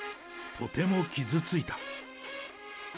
とても傷ついた。